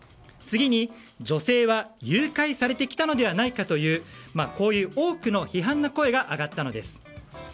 次に女性は誘拐されてきたのではないかというこういう多くの批判の声が上がったのです。